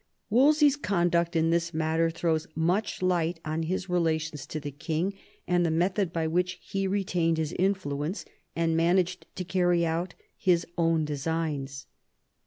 Wolse/s conduct in this matter throws much light on his relations to the king, and the method by which he retained his influence and managed to carry out his own designs.